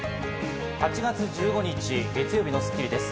８月１５日、月曜日の『スッキリ』です。